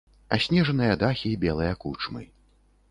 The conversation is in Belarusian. Аснежаныя дахі белыя кучмы.